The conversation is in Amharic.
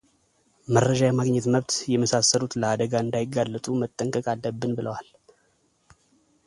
መረጃ የማግኘት መብት የመሳሰሉት ለአደጋ እንዳይጋለጡ መጠንቀቅ አለብን ብለዋል።